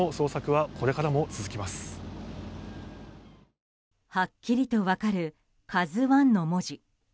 はっきりと分かる「ＫＡＺＵ１」の文字。